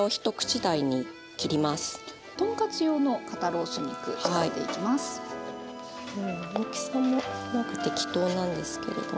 大きさもなんか適当なんですけれども。